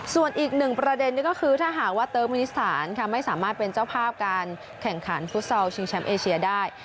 ส่วนอีกหนึ่งประเด็นก็คือถ้าหากว่าเติร์กมินิสถานไม่สามารถเป็นเจ้าภาพการแข่งขันฟุตซอลชิงแชมป์เอเชียได้